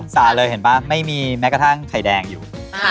สาดเลยเห็นป่ะไม่มีแม้กระทั่งไข่แดงอยู่